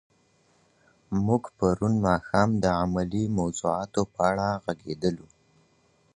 موږ پرون ماښام د علمي موضوعاتو په اړه ږغېدلو.